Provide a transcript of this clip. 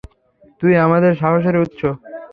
তুই আমাদের সাহসের উৎস।